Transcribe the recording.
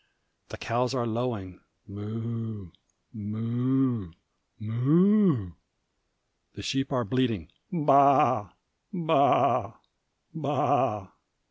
The cows are lowing "Moo, moo, moo!" The sheep are bleating "Baa, baa, baa!"